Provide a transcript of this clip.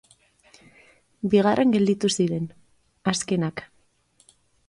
Bigarren gelditu ziren, azkenak.